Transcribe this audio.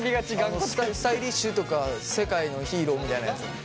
スタイリッシュとか世界のヒーローみたいなやつ。